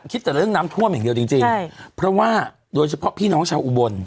คิดแต่เรื่องน้ำท่วมอย่างเดียวจริงจริงใช่เพราะว่าโดยเฉพาะพี่น้องชาวอุบล